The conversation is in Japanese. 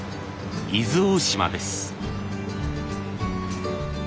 伊豆大島です。